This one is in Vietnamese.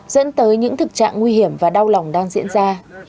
dẫn tới những thực trạng nguy hiểm và đau lòng đang diễn ra